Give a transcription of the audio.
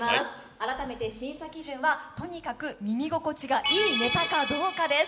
改めて審査基準は、とにかく耳心地がいいネタかどうかです。